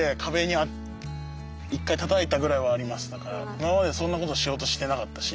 今までそんなことしようとしてなかったし。